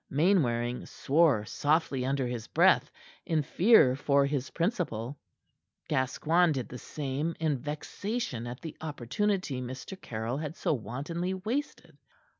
Mainwaring swore softly under his breath, in fear for his principal; Gascoigne did the same in vexation at the opportunity Mr. Caryll had so wantonly wasted.